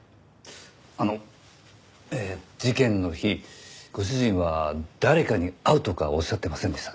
あの事件の日ご主人は誰かに会うとかおっしゃってませんでしたか？